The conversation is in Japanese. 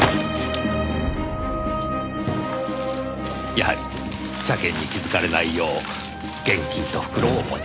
やはり車券に気づかれないよう現金と袋を持ち去った。